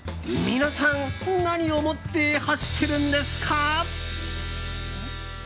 皆さん何を持って走ってるんですか？